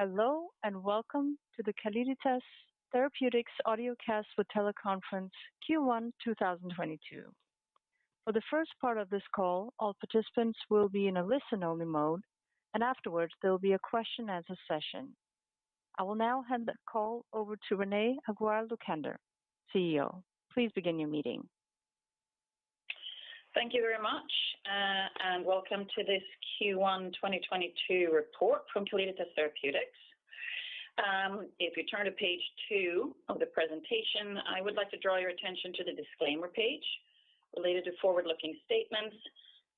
Hello, and welcome to the Calliditas Therapeutics Audio Cast for Teleconference Q1 2022. For the first part of this call, all participants will be in a listen-only mode, and afterwards there'll be a Q&A session. I will now hand the call over to Renée Aguiar-Lucander, CEO. Please begin your meeting. Thank you very much, and welcome to this Q1 2022 report from Calliditas Therapeutics. If you turn to page two of the presentation, I would like to draw your attention to the disclaimer page related to forward-looking statements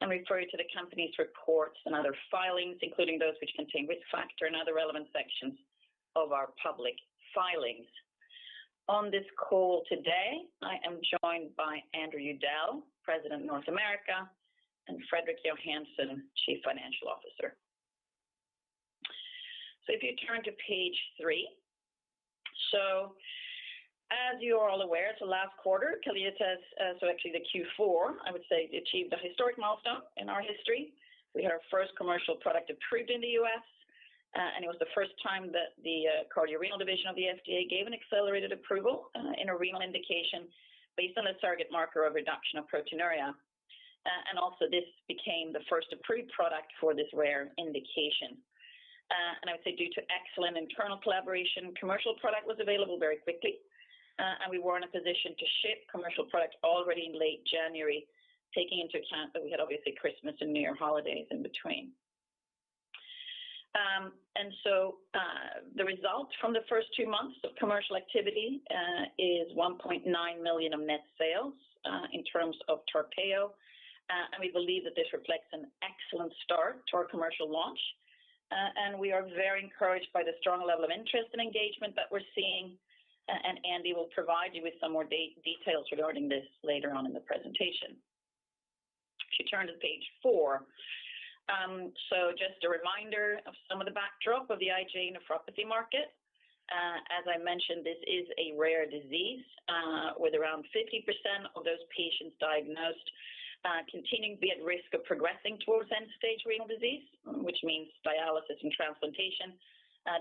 and refer you to the company's reports and other filings, including those which contain risk factor and other relevant sections of our public filings. On this call today, I am joined by Andrew Udell, President of North America, and Fredrik Johansson, Chief Financial Officer. If you turn to page three. As you are all aware, last quarter, Calliditas actually the Q4, I would say, achieved a historic milestone in our history. We had our first commercial product approved in the U.S., and it was the first time that the cardio-renal division of the FDA gave an accelerated approval in a renal indication based on a target marker of reduction of proteinuria. This became the first approved product for this rare indication. I would say due to excellent internal collaboration, commercial product was available very quickly, and we were in a position to ship commercial product already in late January, taking into account that we had obviously Christmas and New Year holidays in between. The results from the first two months of commercial activity is 1.9 million of net sales in terms of TARPEYO. We believe that this reflects an excellent start to our commercial launch. We are very encouraged by the strong level of interest and engagement that we're seeing. Andy will provide you with some more details regarding this later on in the presentation. If you turn to page four. Just a reminder of some of the backdrop of the IgA Nephropathy Market. As I mentioned, this is a rare disease, with around 50% of those patients diagnosed, continuing to be at risk of progressing towards end-stage renal disease, which means dialysis and transplantation,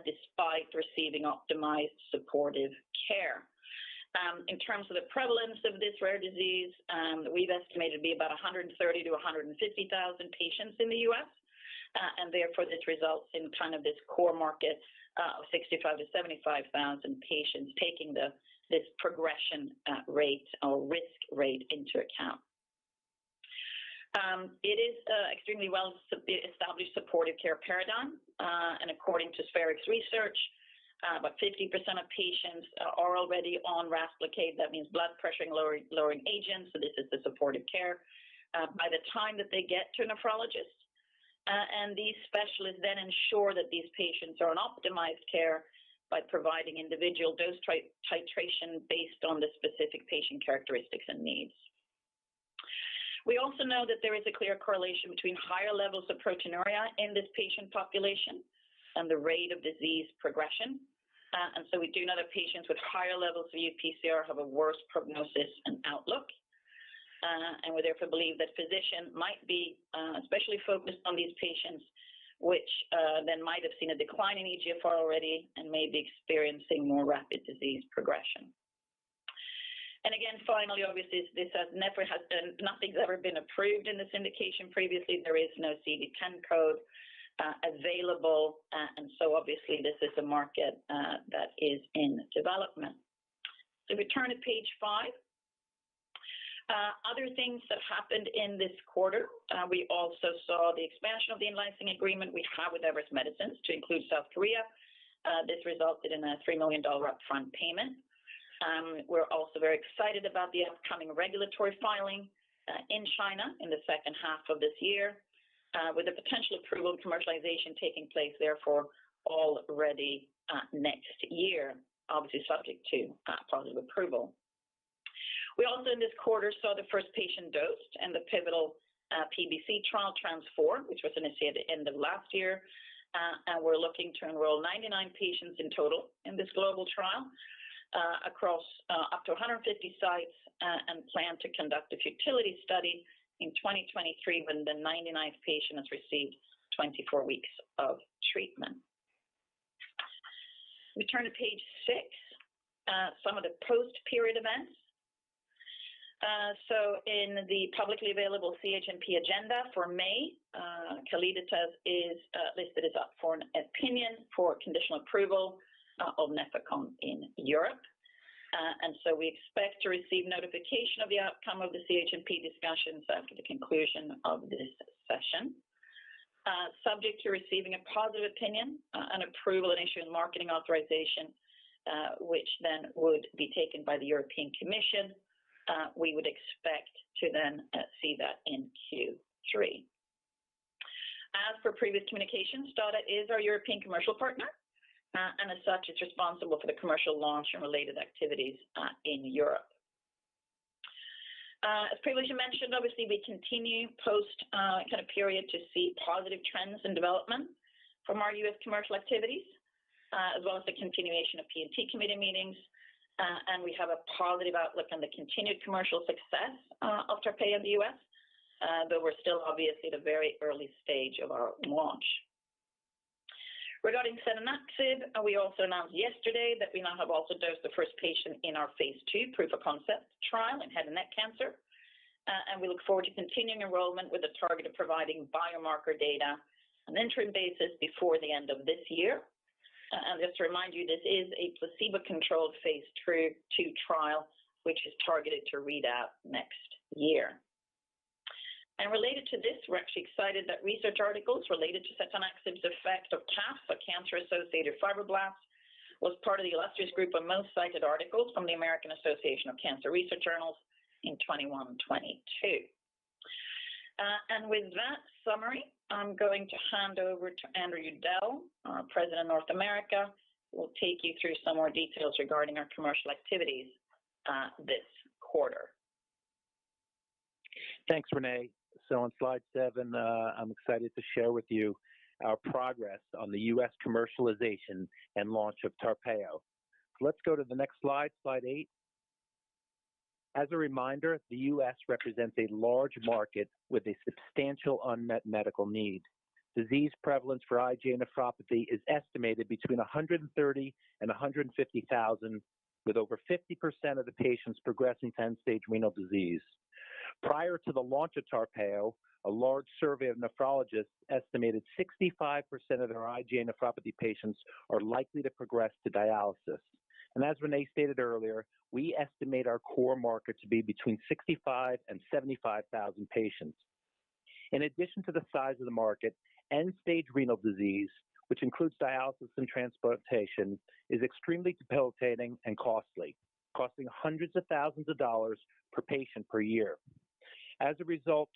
despite receiving optimized supportive care. In terms of the prevalence of this rare disease, we've estimated it to be about 130,000-150,000 patients in the U.S., and therefore this results in kind of this core market of 65,000-75,000 patients taking this progression rate or risk rate into account. It is extremely well-established supportive care paradigm. According to Spherix research, about 50% of patients are already on RAS blockade. That means blood pressure lowering agents, so this is the supportive care by the time that they get to a nephrologist. These specialists then ensure that these patients are on optimized care by providing individual dose titration based on the specific patient characteristics and needs. We also know that there is a clear correlation between higher levels of proteinuria in this patient population and the rate of disease progression. We do know that patients with higher levels of UPCR have a worse prognosis and outlook. We therefore believe that physician might be especially focused on these patients, which then might have seen a decline in eGFR already and may be experiencing more rapid disease progression. Again, finally, obviously nothing's ever been approved in this indication previously. There is no ICD-10 code available. Obviously, this is a market that is in development. If we turn to page five. Other things that happened in this quarter, we also saw the expansion of the licensing agreement we have with Everest Medicines to include South Korea. This resulted in a $3 million upfront payment. We're also very excited about the upcoming regulatory filing in China in the second half of this year with a potential approval of commercialization taking place therefore already next year, obviously subject to positive approval. We also in this quarter saw the first patient dosed in the pivotal PBC trial TRANSFORM, which was initiated at the end of last year. We're looking to enroll 99 patients in total in this global trial across up to 150 sites and plan to conduct a futility study in 2023 when the 99th patient has received 24 weeks of treatment. If we turn to page six, some of the post-period events. In the publicly available CHMP agenda for May, Calliditas is listed as up for an opinion for conditional approval of Nefecon in Europe. We expect to receive notification of the outcome of the CHMP discussions after the conclusion of this session. Subject to receiving a positive opinion on approval and issuing marketing authorization, which then would be taken by the European Commission, we would expect to then see that in Q3. As for previous communications, STADA is our European commercial partner, and as such is responsible for the commercial launch and related activities in Europe. As previously mentioned, obviously we continue post kind of period to see positive trends and development from our U.S. commercial activities, as well as the continuation of P&T committee meetings. We have a positive outlook on the continued commercial success of TARPEYO in the U.S. We're still obviously at a very early stage of our launch. Regarding setanaxib, we also announced yesterday that we now have also dosed the first patient in our phase II proof of concept trial in head and neck cancer. We look forward to continuing enrollment with a target of providing biomarker data on interim basis before the end of this year. Just to remind you, this is a placebo-controlled phase II trial, which is targeted to read out next year. Related to this, we're actually excited that research articles related to setanaxib's effect of CAF, or cancer-associated fibroblasts, was part of the illustrious group of most cited articles from the American Association of Cancer Research journals in 2021 and 2022. With that summary, I'm going to hand over to Andrew Udell, our President of North America, who will take you through some more details regarding our commercial activities this quarter. Thanks, Renée. On slide seven, I'm excited to share with you our progress on the U.S. commercialization and launch of TARPEYO. Let's go to the next slide eight. As a reminder, the U.S. represents a large market with a substantial unmet medical need. Disease prevalence for IgA Nephropathy is estimated between 130,000 and 150,000, with over 50% of the patients progressing to end-stage renal disease. Prior to the launch of TARPEYO, a large survey of nephrologists estimated 65% of their IgA Nephropathy patients are likely to progress to dialysis. As Renée stated earlier, we estimate our core market to be between 65,000 and 75,000 patients. In addition to the size of the market, end-stage renal disease, which includes dialysis and transplantation, is extremely debilitating and costly, costing hundreds of thousands of dollars per patient per year. As a result,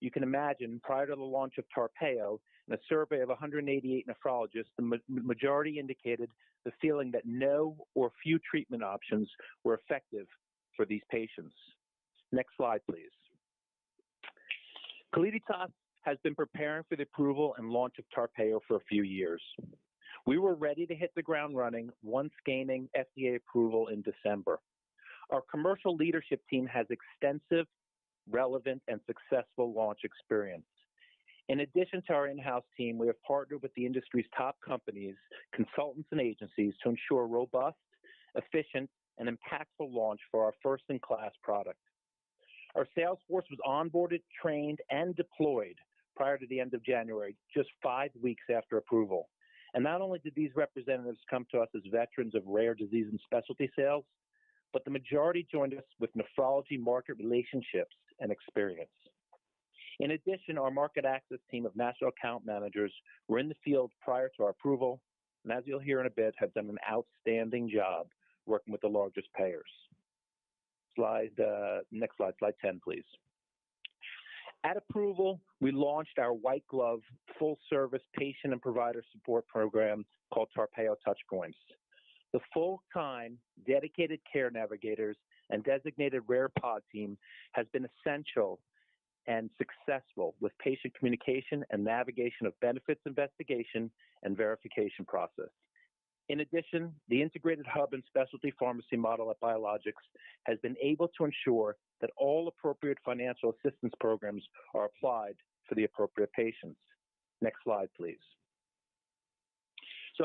you can imagine, prior to the launch of TARPEYO, in a survey of 188 nephrologists, the majority indicated the feeling that no or few treatment options were effective for these patients. Next slide, please. Calliditas has been preparing for the approval and launch of TARPEYO for a few years. We were ready to hit the ground running once gaining FDA approval in December. Our commercial leadership team has extensive, relevant, and successful launch experience. In addition to our in-house team, we have partnered with the industry's top companies, consultants, and agencies to ensure a robust, efficient, and impactful launch for our first-in-class product. Our sales force was onboarded, trained, and deployed prior to the end of January, just five weeks after approval. Not only did these representatives come to us as veterans of rare disease and specialty sales, but the majority joined us with nephrology market relationships and experience. In addition, our market access team of national account managers were in the field prior to our approval, and as you'll hear in a bit, have done an outstanding job working with the largest payers. Next slide 10, please. At approval, we launched our white-glove, full-service patient and provider support program called TARPEYO Touchpoints. The full-time dedicated care navigators and designated rare pod team has been essential and successful with patient communication and navigation of benefits investigation and verification process. In addition, the integrated hub and specialty pharmacy model at Biologics has been able to ensure that all appropriate financial assistance programs are applied for the appropriate patients. Next slide, please.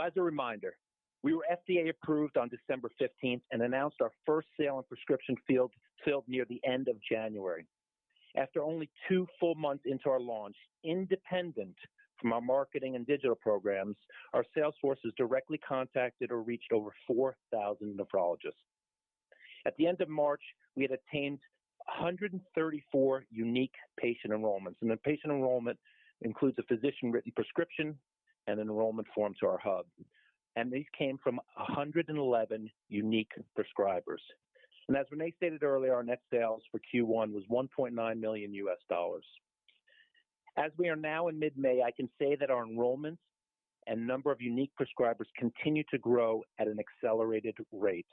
As a reminder, we were FDA approved on December 15 and announced our first sale and prescription filled near the end of January. After only two full months into our launch, independent from our marketing and digital programs, our sales forces directly contacted or reached over 4,000 nephrologists. At the end of March, we had attained 134 unique patient enrollments. The patient enrollment includes a physician-written prescription and enrollment form to our hub. These came from 111 unique prescribers. As Renée stated earlier, our net sales for Q1 was $1.9 million. As we are now in mid-May, I can say that our enrollments and number of unique prescribers continue to grow at an accelerated rate.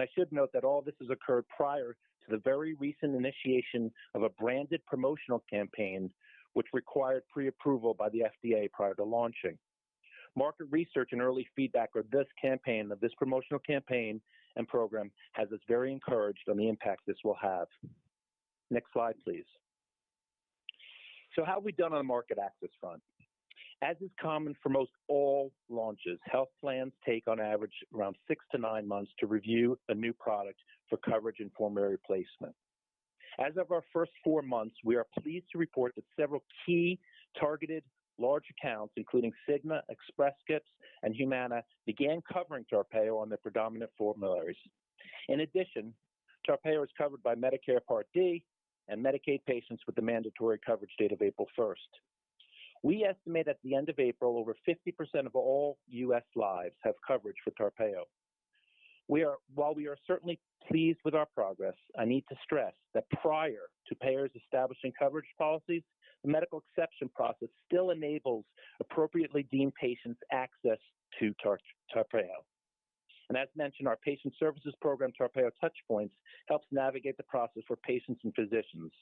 I should note that all this has occurred prior to the very recent initiation of a branded promotional campaign, which required pre-approval by the FDA prior to launching. Market research and early feedback of this campaign, of this promotional campaign and program, has us very encouraged on the impact this will have. Next slide, please. How have we done on the market access front? As is common for most all launches, health plans take on average around six to nine months to review a new product for coverage and formulary placement. As of our first four months, we are pleased to report that several key targeted large accounts, including Cigna, Express Scripts, and Humana, began covering TARPEYO on their predominant formularies. In addition, TARPEYO is covered by Medicare Part D and Medicaid patients with the mandatory coverage date of April 1st. We estimate at the end of April, over 50% of all U.S. lives have coverage for TARPEYO. While we are certainly pleased with our progress, I need to stress that prior to payers establishing coverage policies, the medical exception process still enables appropriately deemed patients access to TARPEYO. As mentioned, our patient services program, TARPEYO Touchpoints, helps navigate the process for patients and physicians.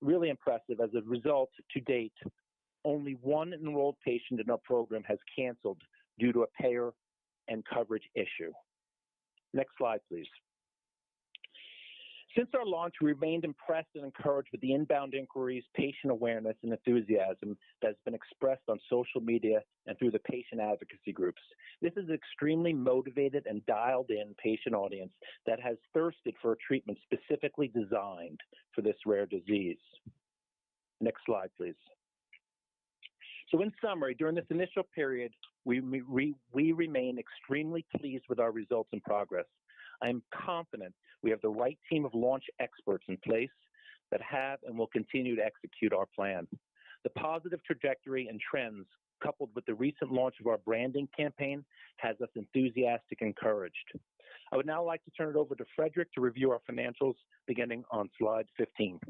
Really impressive, as a result to date, only one enrolled patient in our program has canceled due to a payer and coverage issue. Next slide, please. Since our launch, we remained impressed and encouraged with the inbound inquiries, patient awareness, and enthusiasm that's been expressed on social media and through the patient advocacy groups. This is extremely motivated and dialed-in patient audience that has thirsted for treatment specifically designed for this rare disease. Next slide, please. In summary, during this initial period, we remain extremely pleased with our results and progress. I am confident we have the right team of launch experts in place that have and will continue to execute our plan. The positive trajectory and trends, coupled with the recent launch of our branding campaign, has us enthusiastic and encouraged. I would now like to turn it over to Fredrik to review our financials beginning on slide 15.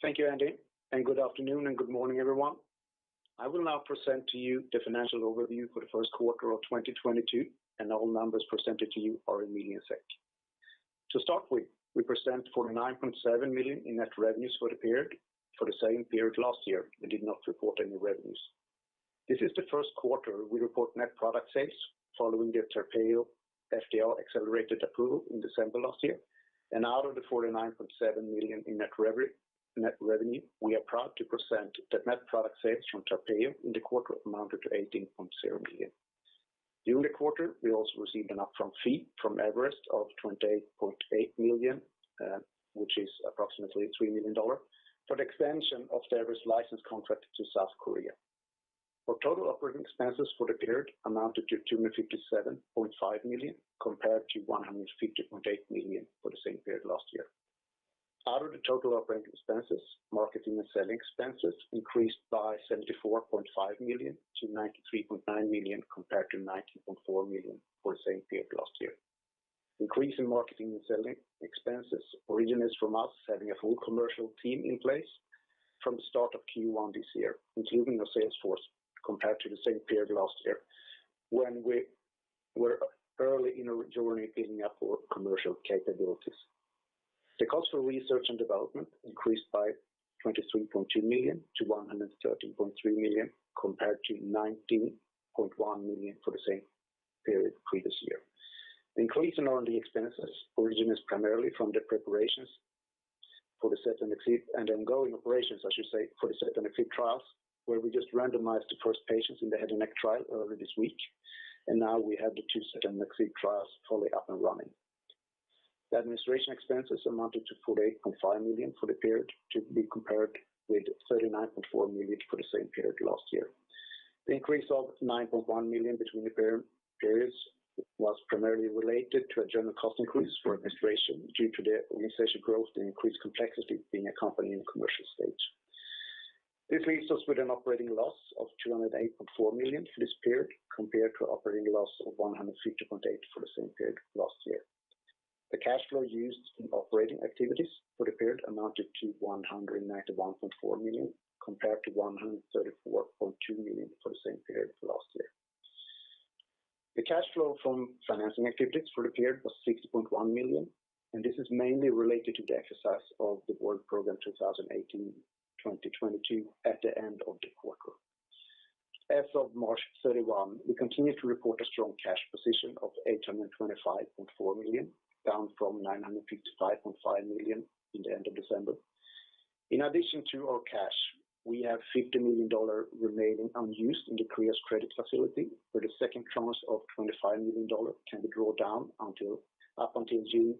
Thank you, Andy, and good afternoon and good morning, everyone. I will now present to you the financial overview for the first quarter of 2022, and all numbers presented to you are in millions SEK. To start with, we present 49.7 million in net revenues for the period. For the same period last year, we did not report any revenues. This is the first quarter we report net product sales following the TARPEYO FDA-accelerated approval in December last year. Out of the 49.7 million in net revenue, we are proud to present that net product sales from TARPEYO in the quarter amounted to 18.0 million. During the quarter, we also received an upfront fee from Everest of 28.8 million, which is approximately $3 million, for the extension of the Everest license contract to South Korea. Our total operating expenses for the period amounted to 257.5 million, compared to 150.8 million for the same period last year. Out of the total operating expenses, marketing and selling expenses increased by 74.5 million to 93.9 million compared to 90.4 million for the same period last year. Increase in marketing and selling expenses originates from us having a full commercial team in place from the start of Q1 this year, including a sales force, compared to the same period last year when we were early in our journey building up our commercial capabilities. The cost for research and development increased by 23.2 million to 113.3 million compared to 19.1 million for the same period previous year. The increase in R&D expenses originates primarily from the preparations for the setanaxib and ongoing operations, I should say, for the setanaxib trials, where we just randomized the first patients in the head and neck trial earlier this week. Now, we have the two setanaxib trials fully up and running. The administration expenses amounted to 48.5 million for the period, to be compared with 39.4 million for the same period last year. The increase of 9.1 million between the periods was primarily related to a general cost increase for administration due to the organization growth and increased complexity of being a company in commercial stage. This leaves us with an operating loss of 208.4 million for this period compared to operating loss of 150.8 million for the same period last year. The cash flow used in operating activities for the period amounted to 191.4 million compared to 134.2 million for the same period last year. The cash flow from financing activities for the period was 60.1 million, and this is mainly related to the exercise of the board program 2018-2022 at the end of the quarter. As o`f March 31, we continue to report a strong cash position of 825.4 million, down from 955.5 million at the end of December. In addition to our cash, we have $50 million remaining unused in the Kreos credit facility, where the second tranche of $25 million can be drawn down until June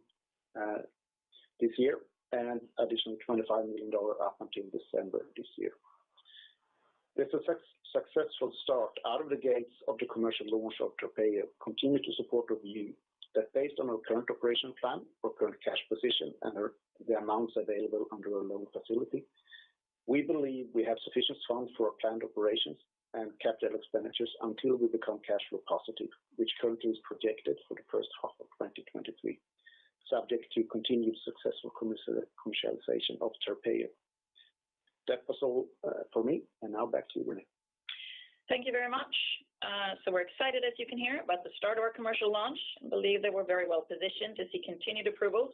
this year and an additional $25 million until December this year. This successful start out of the gates of the commercial launch of TARPEYO continues to support our view that based on our current operation plan, our current cash position and the amounts available under our loan facility, we believe we have sufficient funds for our planned operations and capital expenditures until we become cash flow positive, which currently is projected for the first half of 2023, subject to continued successful commercialization of TARPEYO. That was all, for me. Now back to you, Renée. Thank you very much. We're excited, as you can hear, about the start of our commercial launch and believe that we're very well positioned to see continued approvals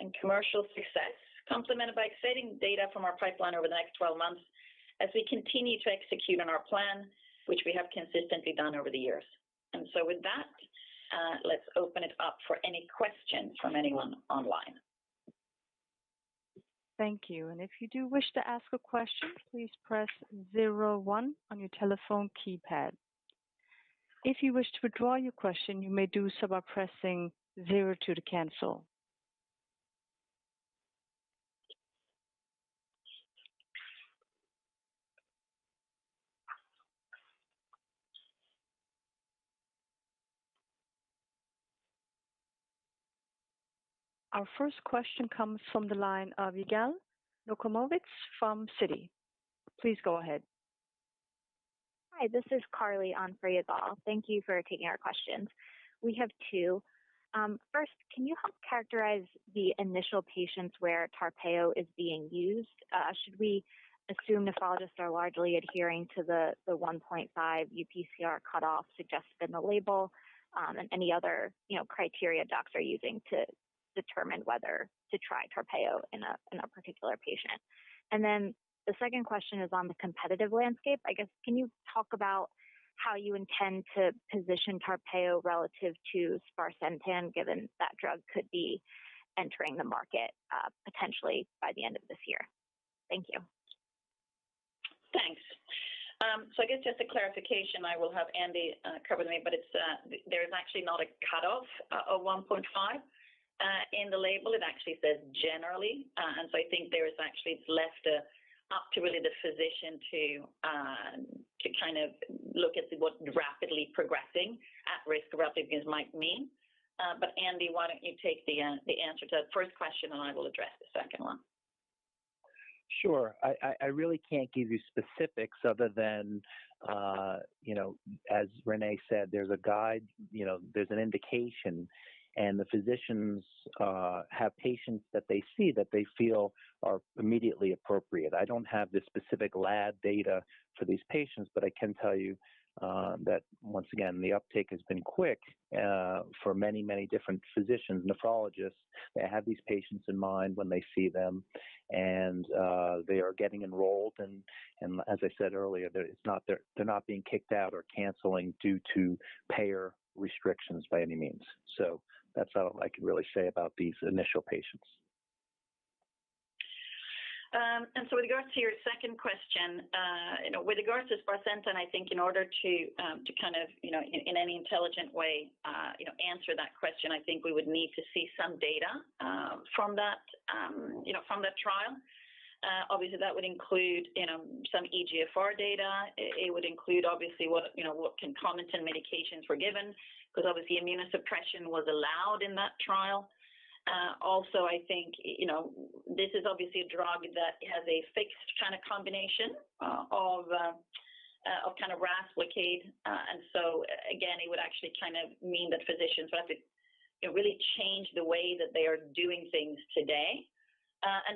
and commercial success complemented by exciting data from our pipeline over the next 12 months as we continue to execute on our plan, which we have consistently done over the years. With that, let's open it up for any questions from anyone online. Thank you. If you do wish to ask a question, please press star one on your telephone keypad. If you wish to withdraw your question, you may do so by pressing star two to cancel. Our first question comes from the line of Yigal Nochomovitz from Citi. Please go ahead. Hi, this is Carly on for Yigal. Thank you for taking our questions. We have two. First, can you help characterize the initial patients where TARPEYO is being used? Should we assume nephrologists are largely adhering to the 1.5 UPCR cutoff suggested in the label, and any other, you know, criteria docs are using to determine whether to try TARPEYO in a particular patient? The second question is on the competitive landscape. I guess, can you talk about how you intend to position TARPEYO relative to sparsentan, given that drug could be entering the market, potentially by the end of this year? Thank you. Thanks. I guess just a clarification. I will have Andy cover me, but there is actually not a cutoff of 1.5 in the label. It actually says generally. I think it's actually left up to really the physician to kind of look at what rapidly progressing at risk of rapid disease progression might mean. But Andy, why don't you take the answer to the first question, and I will address the second one. Sure. I really can't give you specifics other than, you know, as Renée said, there's a guide, you know, there's an indication, and the physicians have patients that they see that they feel are immediately appropriate. I don't have the specific lab data for these patients, but I can tell you that once again, the uptake has been quick for many, many different physicians, nephrologists, that have these patients in mind when they see them. They are getting enrolled. As I said earlier, they're not being kicked out or canceling due to payer restrictions by any means. That's all I can really say about these initial patients. With regards to your second question, you know, with regards to sparsentan, I think in order to kind of, you know, in any intelligent way, you know, answer that question, I think we would need to see some data from that trial. Obviously, that would include, you know, some eGFR data. It would include obviously what concomitant medications were given, because obviously immunosuppression was allowed in that trial. Also, I think, you know, this is obviously a drug that has a fixed kind of combination of RAS blockade, and so again, it would actually kind of mean that physicians would have to, you know, really change the way that they are doing things today.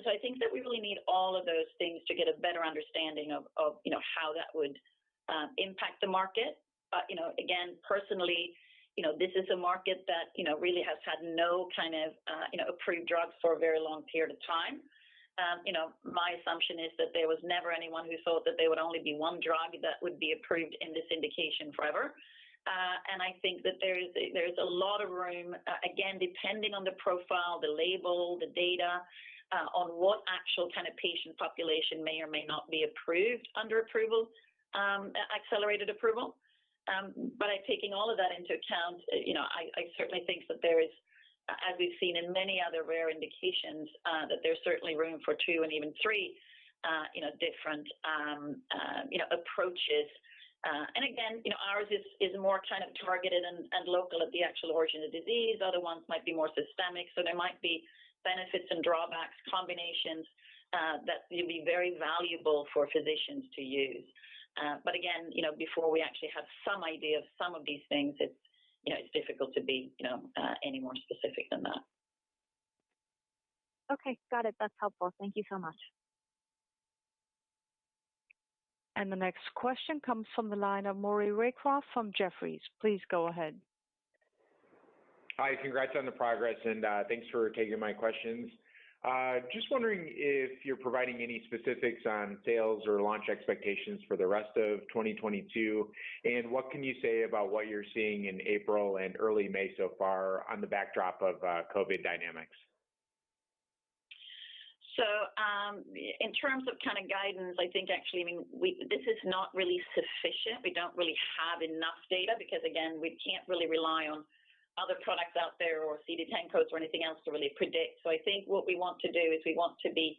I think that we really need all of those things to get a better understanding of you know, how that would impact the market. You know, again, personally, you know, this is a market that, you know, really has had no kind of, you know, approved drugs for a very long period of time. You know, my assumption is that there was never anyone who thought that there would only be one drug that would be approved in this indication forever. I think that there is a lot of room, again, depending on the profile, the label, the data, on what actual kind of patient population may or may not be approved under accelerated approval. By taking all of that into account, you know, I certainly think that there is, as we've seen in many other rare indications, that there's certainly room for two and even three, you know, different, you know, approaches. Again, you know, ours is more kind of targeted and local at the actual origin of disease. Other ones might be more systemic, so there might be benefits and drawbacks, combinations, that will be very valuable for physicians to use. Again, you know, before we actually have some idea of some of these things, it's, you know, it's difficult to be, you know, any more specific than that. Okay. Got it. That's helpful. Thank you so much. The next question comes from the line of Maury Raycroft from Jefferies. Please go ahead. Hi. Congrats on the progress, and thanks for taking my questions. Just wondering if you're providing any specifics on sales or launch expectations for the rest of 2022, and what can you say about what you're seeing in April and early May so far on the backdrop of COVID dynamics? In terms of kind of guidance, I think actually, I mean, this is not really sufficient. We don't really have enough data because, again, we can't really rely on other products out there or ICD-10 codes or anything else to really predict. I think what we want to do is we want to be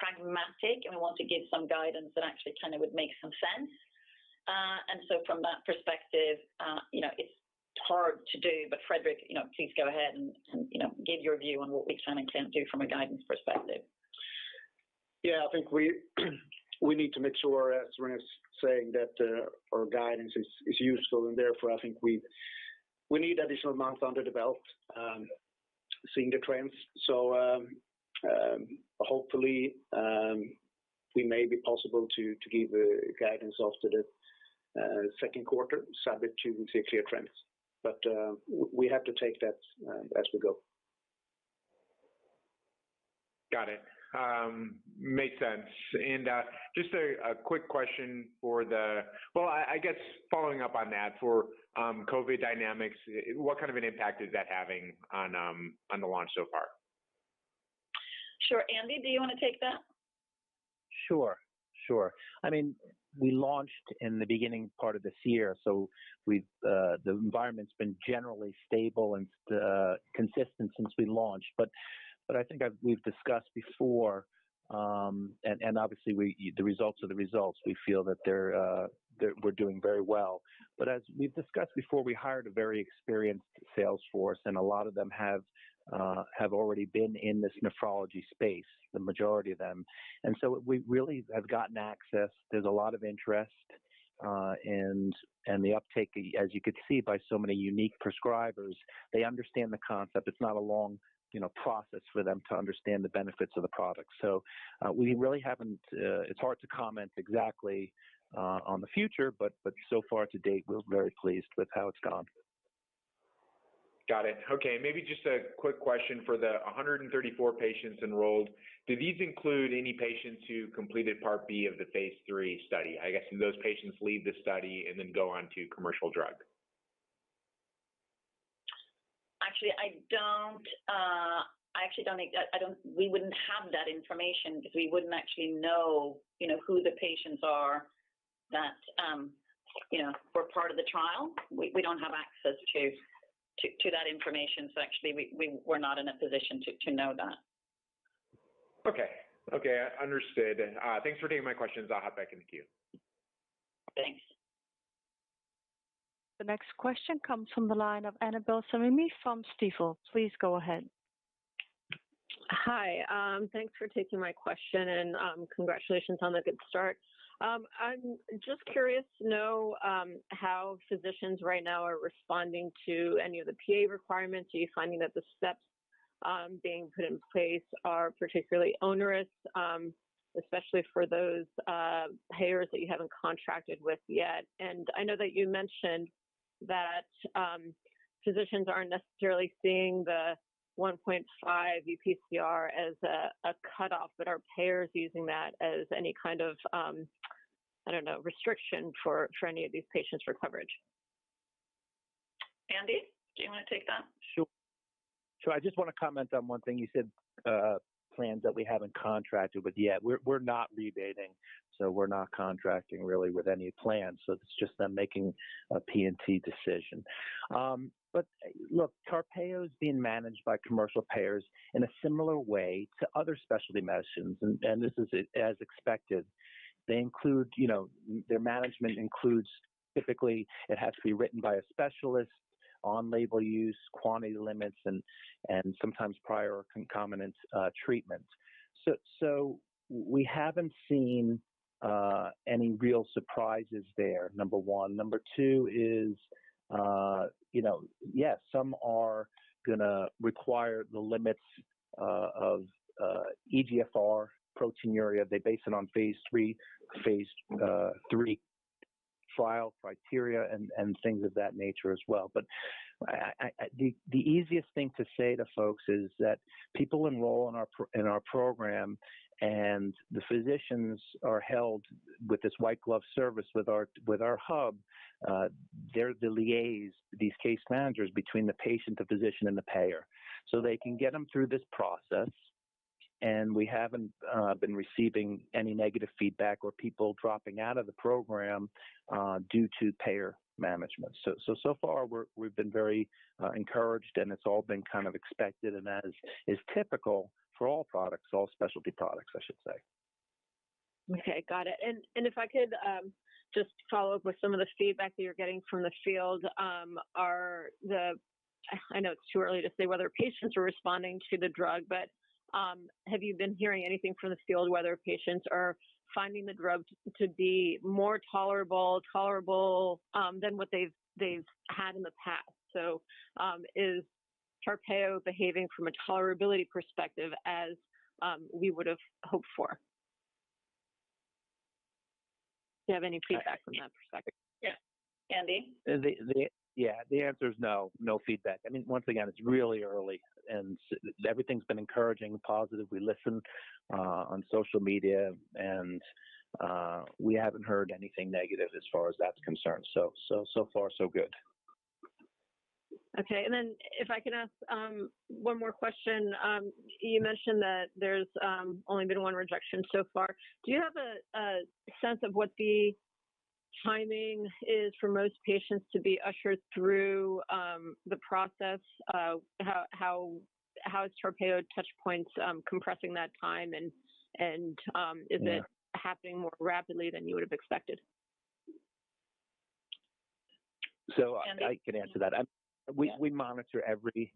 pragmatic, and we want to give some guidance that actually kind of would make some sense. From that perspective, you know, it's hard to do. Fredrik, you know, please go ahead and give your view on what we can and can't do from a guidance perspective. Yeah. I think we need to make sure, as Renée's saying, that our guidance is useful, and therefore, I think we need additional months under the belt, seeing the trends. Hopefully, we may be possible to give a guidance after the second quarter, start to see clear trends. We have to take that as we go. Got it. Makes sense. Just to, quick question for the... I guess following up on that, for COVID dynamics, what kind of an impact is that having on the launch so far? Sure. Andy, do you want to take that? Sure, sure. I mean, we launched in the beginning part of this year, so the environment's been generally stable and consistent since we launched. I think we've discussed before, and obviously, the results are the results. We feel that we're doing very well. As we've discussed before, we hired a very experienced sales force, and a lot of them have already been in this nephrology space, the majority of them. We really have gotten access. There's a lot of interest, and the uptake, as you could see by so many unique prescribers, they understand the concept. It's not a long, you know, process for them to understand the benefits of the product. It's hard to comment exactly on the future, but so far to date, we're very pleased with how it's gone. Got it. Okay. Maybe just a quick question. For the 134 patients enrolled, do these include any patients who completed part B of the phase III study? I guess, do those patients leave the study and then go on to commercial drug? Actually, I don't. We wouldn't have that information because we wouldn't actually know, you know, who the patients are that, you know, were part of the trial. We don't have access to that information. Actually, we're not in a position to know that. Okay. Understood. Thanks for taking my questions. I'll hop back in the queue. Thanks. The next question comes from the line of Annabel Samimy from Stifel. Please go ahead. Hi. Thanks for taking my question, and congratulations on the good start. I'm just curious to know how physicians right now are responding to any of the PA requirements. Are you finding that the steps being put in place are particularly onerous, especially for those payers that you haven't contracted with yet? I know that you mentioned that physicians aren't necessarily seeing the 1.5 UPCR as a cutoff, but are payers using that as any kind of restriction for any of these patients for coverage? Andy, do you want to take that? Sure. I just want to comment on one thing you said, plans that we haven't contracted with yet. We're not rebating, so we're not contracting really with any plans. It's just them making a P&T decision. But look, TARPEYO is being managed by commercial payers in a similar way to other specialty medicines, and this is as expected. They include, you know, their management includes, typically, it has to be written by a specialist on label use, quantity limits, and sometimes prior concomitant treatments. We haven't seen any real surprises there, number one. Number two is, you know, yes, some are going to require the limits of eGFR proteinuria. They base it on phase III trial criteria and things of that nature as well. The easiest thing to say to folks is that people enroll in our program, and the physicians are helped with this White-Glove service with our hub. They liaise, these case managers, between the patient, the physician, and the payer. They can get them through this process, and we haven't been receiving any negative feedback or people dropping out of the program due to payer management. So far, we've been very encouraged, and it's all been kind of expected, and that is typical for all products, all specialty products, I should say. Okay, got it. If I could just follow up with some of the feedback that you're getting from the field. I know it's too early to say whether patients are responding to the drug, but have you been hearing anything from the field whether patients are finding the drug to be more tolerable than what they've had in the past? Is TARPEYO behaving from a tolerability perspective as we would've hoped for? Do you have any feedback from that perspective? Yeah. Andy? Yeah, the answer is no feedback. I mean, once again, it's really early and everything's been encouraging, positive. We listen on social media and we haven't heard anything negative as far as that's concerned. So far so good. Okay. If I could ask one more question. You mentioned that there's only been one rejection so far. Do you have a sense of what the timing is for most patients to be ushered through the process of how TARPEYO Touchpoints is compressing that time? Yeah. Is it happening more rapidly than you would've expected? So I- Andy? I can answer that. Yeah. We monitor every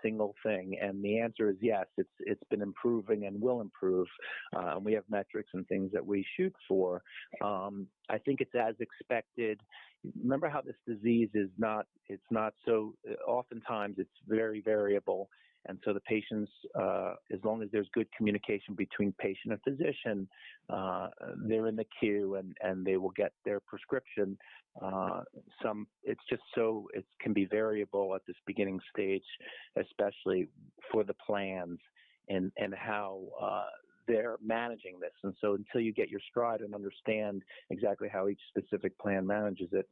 single thing, and the answer is yes. It's been improving and will improve. We have metrics and things that we shoot for. I think it's as expected. Remember how this disease is. Oftentimes, it's very variable, and so the patients, as long as there's good communication between patient and physician, they're in the queue and they will get their prescription. It's just so it can be variable at this beginning stage, especially for the plans and how they're managing this. Until you get your stride and understand exactly how each specific plan manages it,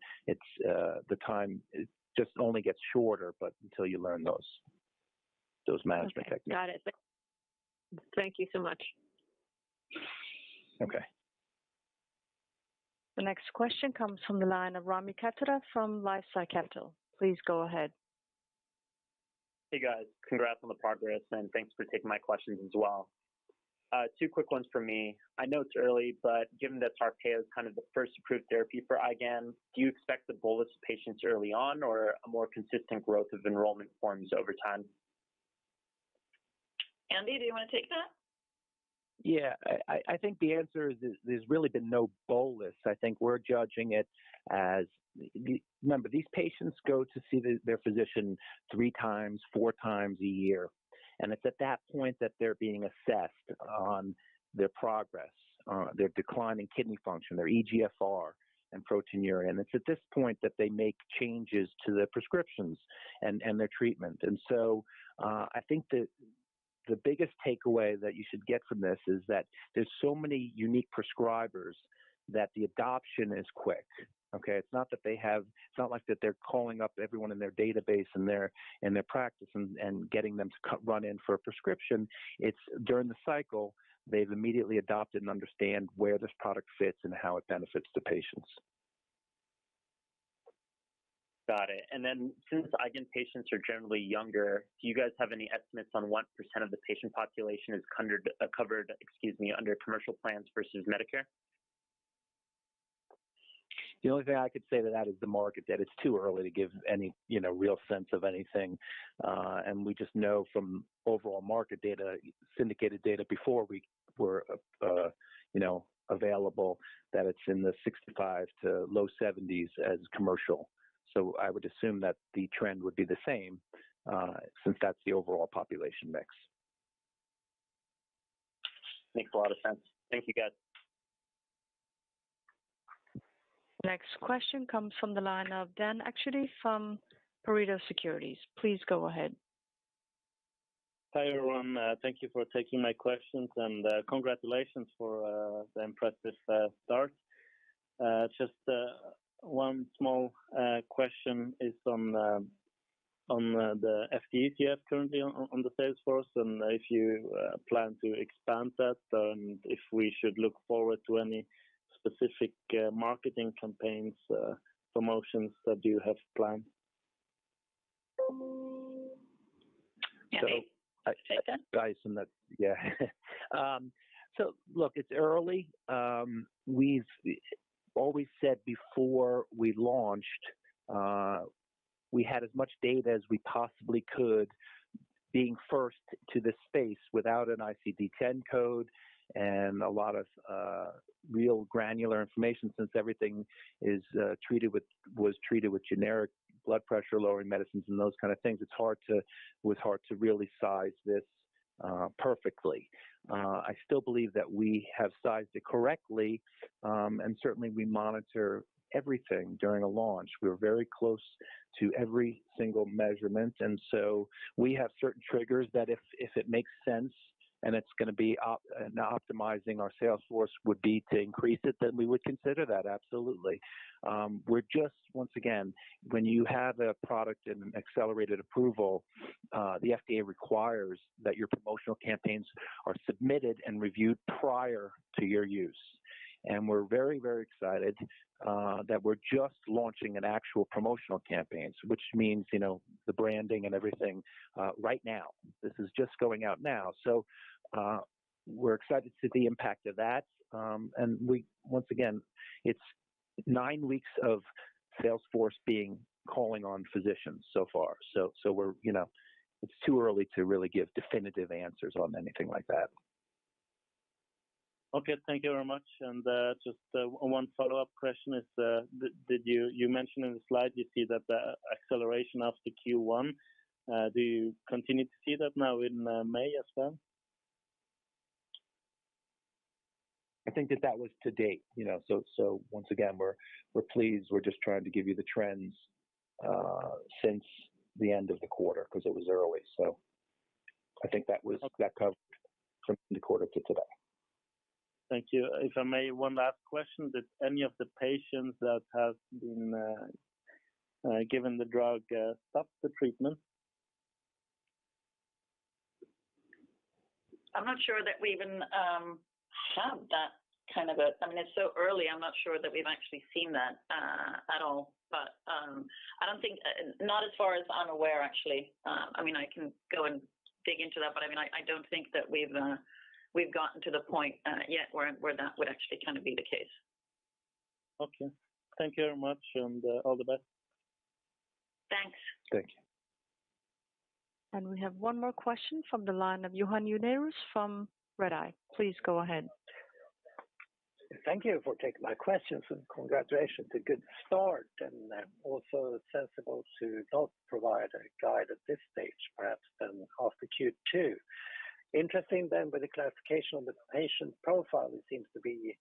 the time just only gets shorter, but until you learn those management techniques. Okay. Got it. Thank you so much. Okay. The next question comes from the line of Rami Katkhuda from LifeSci Capital. Please go ahead. Hey, guys. Congrats on the progress, and thanks for taking my questions as well. Two quick ones for me. I know it's early, but given that TARPEYO is kind of the first approved therapy for IgAN, do you expect to bolus patients early on or a more consistent growth of enrollment forms over time? Andy, do you want to take that? Yeah. I think the answer is there's really been no bolus. I think we're judging it as, remember, these patients go to see their physician 3x, 4x a year, and it's at that point that they're being assessed on their progress, on their decline in kidney function, their eGFR and proteinuria. It's at this point that they make changes to their prescriptions and their treatment. I think the biggest takeaway that you should get from this is that there's so many unique prescribers that the adoption is quick, okay? It's not like that they're calling up everyone in their database, in their practice and getting them to come in for a prescription. It's during the cycle. They've immediately adopted and understand where this product fits and how it benefits the patients. Got it. Since IgAN patients are generally younger, do you guys have any estimates on what percent of the patient population are covered, excuse me, under commercial plans versus Medicare? The only thing I could say to that is the market data. It's too early to give any, you know, real sense of anything. We just know from overall market data, syndicated data before we were, you know, available that it's in the 65%-low 70s as commercial. I would assume that the trend would be the same, since that's the overall population mix. Makes a lot of sense. Thank you, guys. Next question comes from the line of Dan Akschuti from Pareto Securities. Please go ahead. Hi, everyone. Thank you for taking my questions and congratulations for the impressive start. Just one small question is on the FTE currently on the sales force, and if you plan to expand that, if we should look forward to any specific marketing campaigns, promotions that you have planned? So- Andy. I- Take that? Just from that. Yeah. Look, it's early. We've always said before we launched, we had as much data as we possibly could being first to this space without an ICD-10 code and a lot of real granular information. Since everything was treated with generic blood pressure-lowering medicines and those kinds of things, it was hard to really size this perfectly. I still believe that we have sized it correctly, and certainly we monitor everything during a launch. We're very close to every single measurement, and we have certain triggers that if it makes sense and optimizing our sales force would be to increase it, then we would consider that, absolutely. We're just, once again, when you have a product in an accelerated approval, the FDA requires that your promotional campaigns are submitted and reviewed prior to your use. We're very, very excited that we're just launching an actual promotional campaign, which means, you know, the branding and everything, right now. This is just going out now. We're excited to see the impact of that. Once again, it's nine weeks of sales force calling on physicians so far. We're, you know, it's too early to really give definitive answers on anything like that. Okay. Thank you very much. Just one follow-up question is, you mentioned in the slide you see that the acceleration of the Q1, do you continue to see that now in May as well? I think that was to date, you know. Once again, we're pleased. We're just trying to give you the trends since the end of the quarter because it was early. Okay. That covered from the quarter to today. Thank you. If I may, one last question. Did any of the patients that have been given the drug stop the treatment? I'm not sure that we even have that kind of, I mean, it's so early, I'm not sure that we've actually seen that at all. I don't think not as far as I'm aware, actually. I mean, I can go and dig into that, but I mean, I don't think that we've gotten to the point, yet where that would actually kind of be the case. Okay. Thank you very much, and all the best. Thanks. Thank you. We have one more question from the line of Johan Unnérus from Redeye. Please go ahead. Thank you for taking my questions and congratulations. A good start and also sensible to not provide a guide at this stage, perhaps then after Q2. Interesting with the classification of the patient profile, it seems to be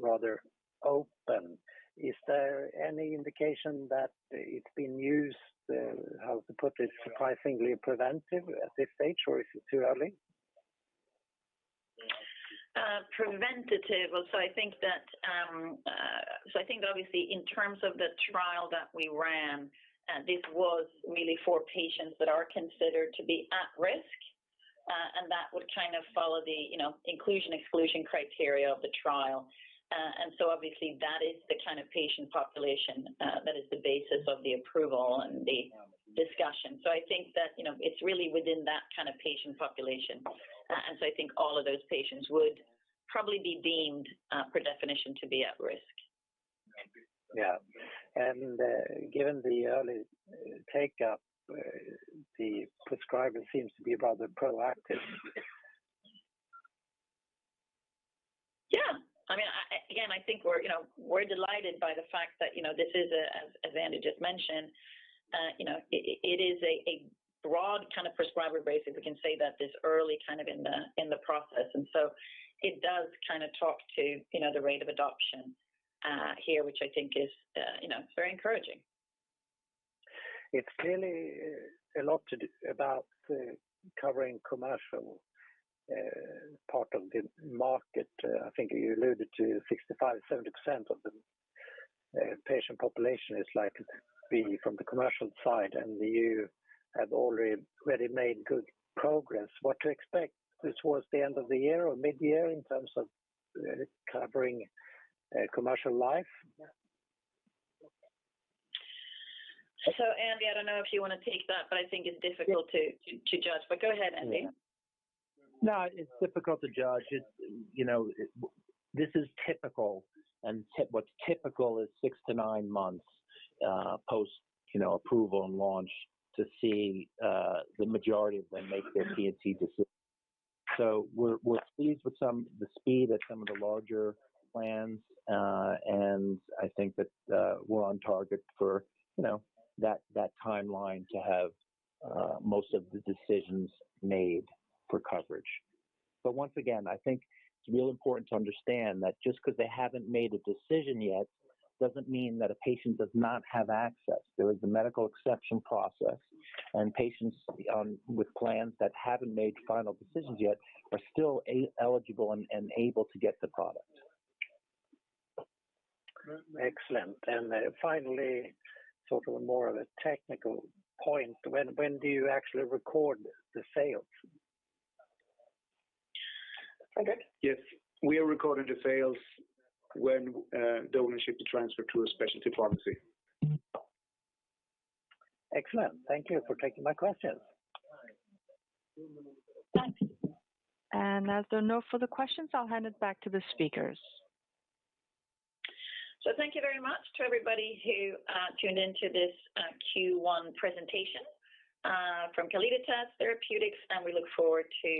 rather open. Is there any indication that it's being used, how to put this, surprisingly preventive at this stage, or is it too early? Preventive. Well, I think obviously in terms of the trial that we ran, this was really for patients that are considered to be at risk, and that would kind of follow the, you know, inclusion/exclusion criteria of the trial. That is the kind of patient population that is the basis of the approval and the discussion. I think that, you know, it's really within that kind of patient population. I think all of those patients would probably be deemed by definition to be at risk. Given the early uptake, the prescriber seems to be rather proactive. Yeah. I mean, again, I think we're, you know, we're delighted by the fact that, you know, this is a, as Andy just mentioned, you know, it is a broad kind of prescriber base, if we can say that this early kind of in the process. It does kind of talk to, you know, the rate of adoption, here, which I think is, you know, very encouraging. It's clearly a lot to do about the commercial coverage part of the market. I think you alluded to 65%-70% of the patient population is likely to be from the commercial side, and you have already really made good progress. What to expect towards the end of the year or midyear in terms of covering commercial lives? Andy, I don't know if you want to take that, but I think it's difficult to judge. Go ahead, Andy. Yeah. No, it's difficult to judge. It's, you know. This is typical. What's typical is six to nine months post, you know, approval and launch to see the majority of them make their P&T decisions. We're pleased with the speed at some of the larger plans. I think that we're on target for, you know, that timeline to have most of the decisions made for coverage. Once again, I think it's real important to understand that just because they haven't made a decision yet doesn't mean that a patient does not have access. There is a medical exception process, and patients with plans that haven't made final decisions yet are still eligible and able to get the product. Excellent. Finally, sort of more of a technical point. When do you actually record the sales? Fredrik? Yes. We are recording the sales when the ownership is transferred to a specialty pharmacy. Excellent. Thank you for taking my questions. Thanks. As there are no further questions, I'll hand it back to the speakers. Thank you very much to everybody who tuned into this Q1 presentation from Calliditas Therapeutics, and we look forward to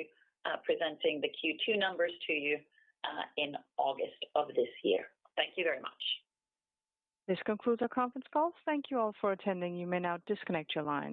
presenting the Q2 numbers to you in August of this year. Thank you very much. This concludes our conference call. Thank you all for attending. You may now disconnect your lines.